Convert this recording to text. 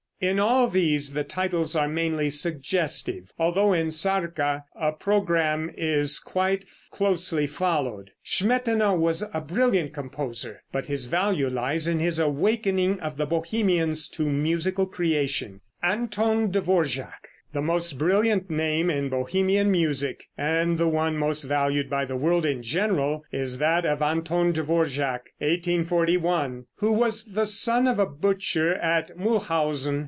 In all these the titles are mainly suggestive, although in "Sarka" a programme is quite closely followed. Smetana was a brilliant composer, but his value lies in his awakening of the Bohemians to musical creation. [Illustration: BEDRICH SMETANA.] [Illustration: ANTON DVORAK.] The most brilliant name in Bohemian music, and the one most valued by the world in general, is that of Anton Dvorak (1841 ), who was the son of a butcher at Mulhausen.